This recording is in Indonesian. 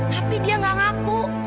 tapi dia gak ngaku